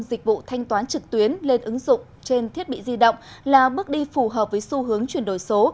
dịch vụ thanh toán trực tuyến lên ứng dụng trên thiết bị di động là bước đi phù hợp với xu hướng chuyển đổi số